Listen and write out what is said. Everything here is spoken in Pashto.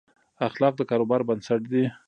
اخلاق د کاروبار بنسټ دي.